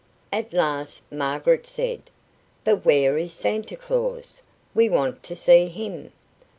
At last Margaret said: "But where is Santa Claus? We wanted to see him."